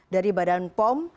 dari badan pom